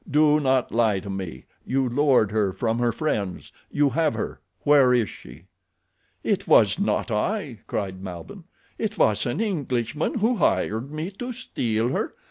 "Do not lie to me—you lured her from her friends. You have her. Where is she?" "It was not I," cried Malbihn. "It was an Englishman who hired me to steal her.